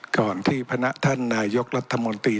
ก่อนที่พนักท่านนายกรัฐมนตรี